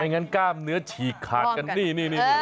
ไม่งั้นกล้ามเนื้อฉีกขาดกันนี่นี่นี่